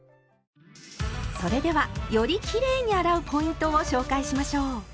それではよりきれいに洗うポイントを紹介しましょう。